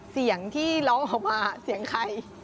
เสียงที่ร้องออกมาเสียงใคร